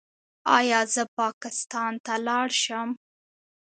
ایا زه پاکستان ته لاړ شم؟